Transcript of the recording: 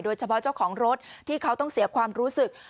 เฉพาะเจ้าของรถที่เขาต้องเสียความรู้สึก